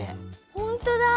ほんとだ！